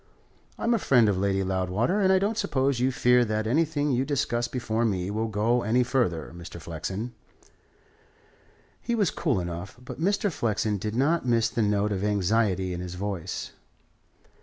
I'm a friend of Lady Loudwater, and I don't suppose you fear that anything you discuss before me will go any further, Mr. Flexen." He was cool enough, but Mr. Flexen did not miss the note of anxiety in his voice.